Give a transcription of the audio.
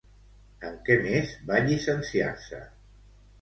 En què més va llicenciar-se?